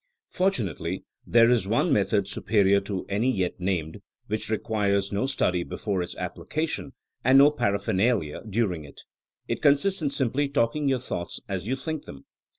Fortunately there is one method superior to any yet named, which requires no study before its application, and no paraphernalia during it. It consists in simply talking your thoughts as you think them.